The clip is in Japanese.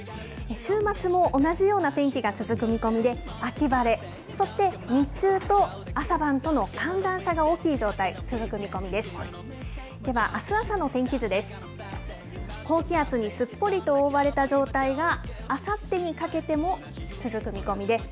週末も同じような天気が続く見込みで、秋晴れ、そして日中と朝晩との寒暖差が大きい状態、続く見込みです。